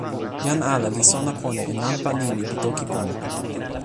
jan ala li sona pona e nanpa nimi pi toki pona.